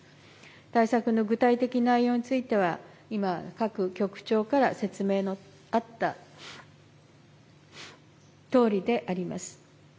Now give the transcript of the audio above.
対策の具体的内容については、今、各局長から説明のあったとおりであります。